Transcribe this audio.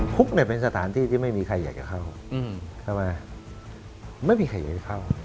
คุกเนี่ยเป็นสถานที่ที่ไม่มีใครอยากจะเข้าใช่ไหมไม่มีใครอยากให้เข้า